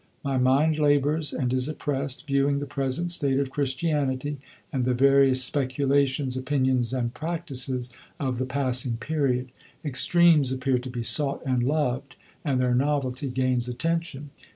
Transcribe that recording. My mind labors and is oppressed, viewing the present state of Christianity, and the various speculations, opinions, and practices of the passing period. Extremes appear to be sought and loved, and their novelty gains attention.